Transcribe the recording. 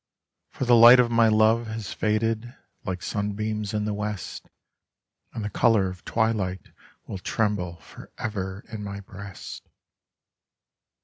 For the li;*ht of my lov* has faded like sur.boams in the T7«st, and fie color of twilight will tremble forever in ay breast.